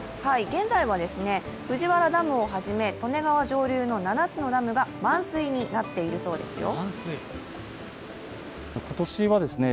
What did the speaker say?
現在は藤原ダムをはじめ、利根川上流の７つのダムが満水になっているそうですよ。